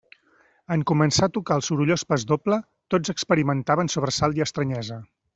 En començar a tocar el sorollós pasdoble, tots experimentaven sobresalt i estranyesa.